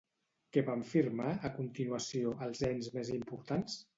Què van firmar, a continuació, els ens més importants?